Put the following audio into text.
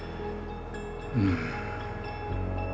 うん。